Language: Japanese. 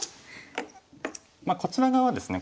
こちら側はですね